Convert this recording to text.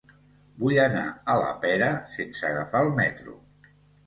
Vull anar a la Pera sense agafar el metro.